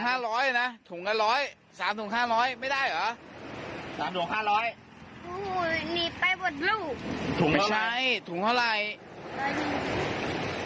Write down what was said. โอ้โหหนีไปบ่ดลูกถุงไม่ใช่ถุงเท่าไหร่